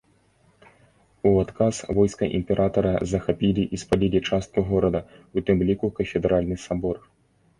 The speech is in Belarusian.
У адказ войска імператара захапілі і спалілі частку горада, у тым ліку кафедральны сабор.